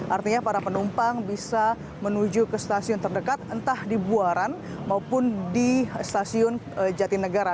artinya para penumpang bisa menuju ke stasiun terdekat entah di buaran maupun di stasiun jatinegara